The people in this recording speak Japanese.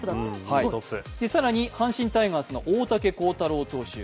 更に阪神タイガースの大竹耕太郎投手。